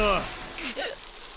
くっ！